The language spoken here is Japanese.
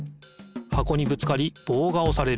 箱にぶつかりぼうがおされる。